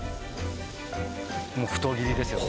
もう太切りですよね